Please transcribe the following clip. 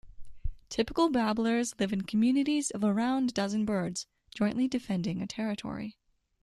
Typical babblers live in communities of around a dozen birds, jointly defending a territory.